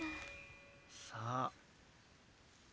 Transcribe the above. さあ。